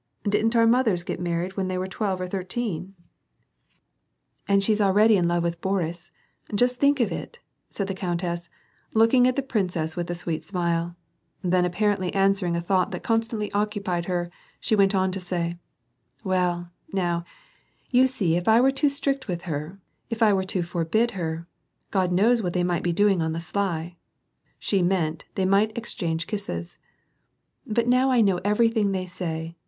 "Didn't our mothers get married when they werr twelve or thirteen? "^ WAR AND PEACE. 49 "And she's already in love with Boris I Just think of it !" said the countess, looking at the princess with a sweet smile ; then apparently answering a thought that constantly occupied her, she went on to say, —" Well, now, you see if I were too strict with her, if I were to forhid her — Qod knows what they might be doing on the sly (she meant, they might exchange kisses )! but now I know everything they say.